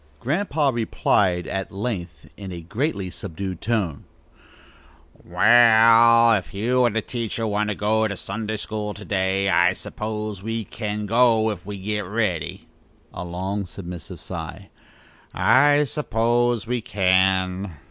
Grandpa replied at length in a greatly subdued tone: "Wall, if you and the teacher want to go over to Sunday school to day, I suppose we can go if we get ready," a long submissive sigh "I suppose we can."